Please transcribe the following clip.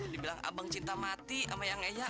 dibilang abang cinta mati sama yang eya udah